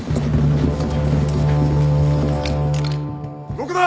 ・動くな！